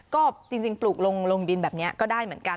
ก็จริงปลูกลงดินแบบนี้ก็ได้เหมือนกัน